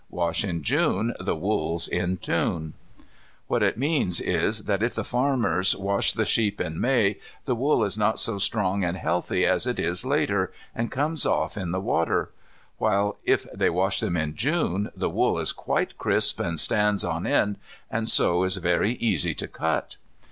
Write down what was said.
Wash in June, The wool's in tune." What it means is that if the farmers wash the sheep in May the wool is not so strong and healthy as it is later, and comes off in the water. While, if they wash them in June the wool is quite crisp and stands on end, and so is very easy to cut.